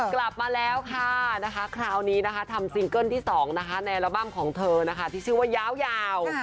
กลับมาแล้วค่ะคราวนี้ทำซิงเกิลที่๒ในลับบัมของเธอที่ชื่อว่ายาวยาว